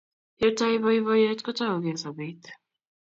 Ye tai boiboiyet, ko taukei sopet